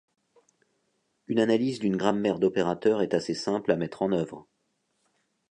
Une analyse d'une grammaire d'opérateur est assez simple à mettre en œuvre.